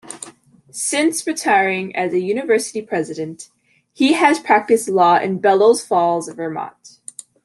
Since retiring as University President, he has practiced law in Bellows Falls, Vermont.